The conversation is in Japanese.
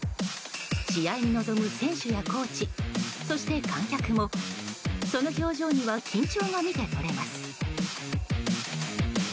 試合に臨む選手やコーチそして観客もその表情には緊張が見てとれます。